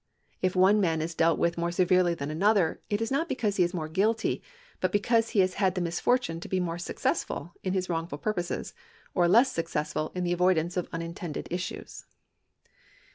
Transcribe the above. If one man is dealt with more severely than another, it is not because he is more guilty, but because he has had the misfortune to be more successful in his wrongful purposes, or less successful in the avoidance of unintended issues.